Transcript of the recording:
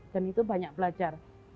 dan itu banyak belajar